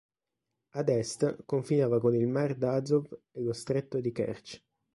Ad est confinava con il mar d'Azov e lo stretto di Kerč'.